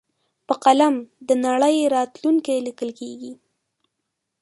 په قلم د نړۍ راتلونکی لیکل کېږي.